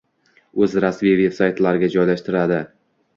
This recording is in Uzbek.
o‘z rasmiy veb-saytlariga joylashtiradi.